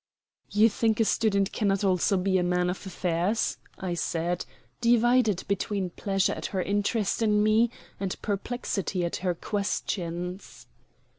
"You think a student cannot also be a man of affairs?" I said, divided between pleasure at her interest in me and perplexity at her questions.